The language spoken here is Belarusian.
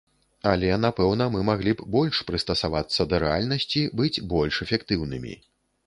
Але, напэўна, мы маглі б больш прыстасавацца да рэальнасці, быць больш эфектыўнымі.